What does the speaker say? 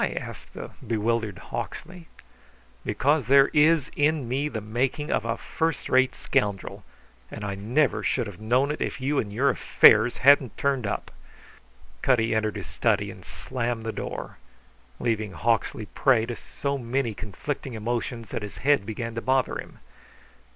asked the bewildered Hawksley. "Because there is in me the making of a first rate scoundrel, and I never should have known it if you and your affairs hadn't turned up." Cutty entered his study and slammed the door, leaving Hawksley prey to so many conflicting emotions that his head began to bother him.